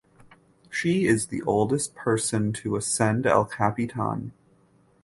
She is the oldest person to ascend El Capitan.